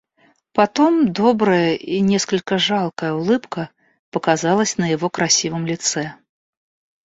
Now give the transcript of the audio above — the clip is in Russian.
Потом добрая и несколько жалкая улыбка показалась на его красивом лице.